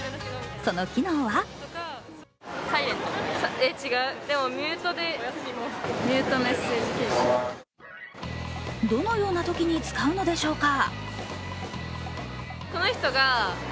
その機能はどのようなときに使うのでしょうか。